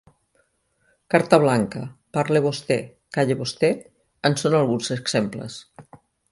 Carta Blanca’, ‘Parle vostè, calle vostè’, en són alguns exemples.